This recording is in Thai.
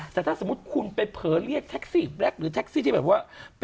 แต่ถ้าสมมุติคุณไปเผลอเรียกแท็กซี่แล็กหรือแท็กซี่ที่แบบว่า